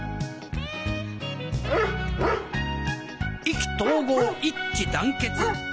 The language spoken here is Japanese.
意気投合一致団結。